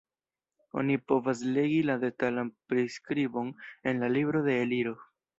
Oni povas legi la detalan priskribon en la libro de Eliro.